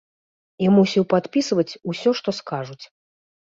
І мусіў падпісваць усё, што скажуць.